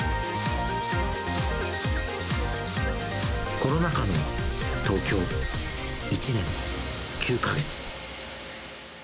コロナ禍の東京、１年９か月。